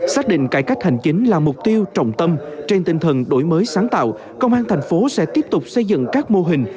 xác định cải cách hành chính là mục tiêu trọng tâm trên tinh thần đổi mới sáng tạo công an thành phố sẽ tiếp tục xây dựng các mô hình